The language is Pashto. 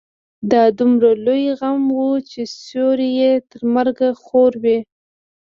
دا دومره لوی غم و چې سيوری يې تر مرګه خور وي.